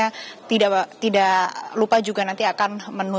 kita tidak lupa juga nanti akan